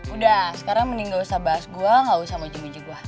udah sekarang mending gak usah bahas gue gak usah moji moji gue